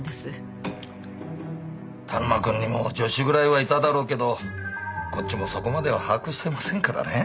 田沼くんにも助手ぐらいはいただろうけどこっちもそこまでは把握してませんからね。